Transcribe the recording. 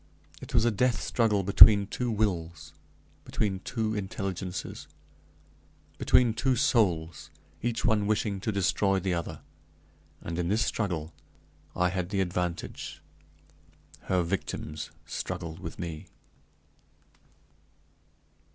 It was a death struggle between two wills; between two intelligences; between two souls each one wishing to destroy the other; and, in this struggle, I had the advantage her victims struggled with me.